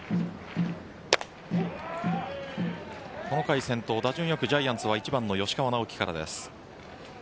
この回先頭、打順よくジャイアンツは１番の吉川尚輝からです。